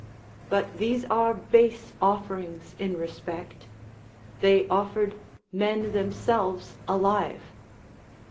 But these are base offerings in respect; they offered men themselves alive.